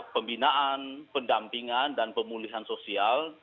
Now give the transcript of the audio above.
pembinaan pendampingan dan pemulihan sosial